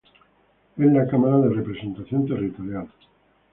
Es la cámara de representación territorial.